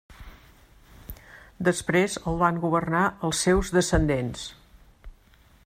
Després el van governar els seus descendents.